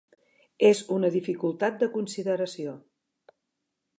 És una dificultat de consideració.